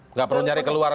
nggak perlu nyari keluar